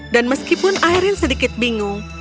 dan meskipun airin sedikit bingung